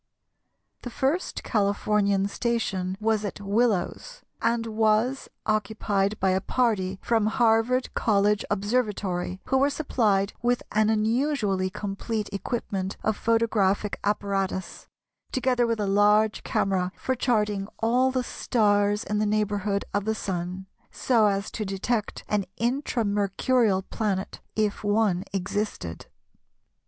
The first Californian station was at Willows, and was occupied by a party from Harvard College Observatory, who were supplied with an unusually complete equipment of photographic apparatus, together with a large camera for charting all the stars in the neighbourhood of the Sun, so as to detect an Intra Mercurial planet if one existed.